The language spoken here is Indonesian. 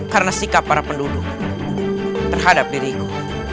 karena sikap para penduduk terhadap diriku